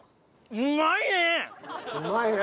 うまいね！